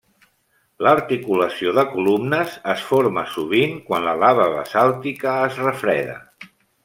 L'articulació de columnes es forma sovint quan la lava basàltica es refreda.